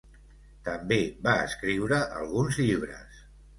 També va escriure alguns llibres.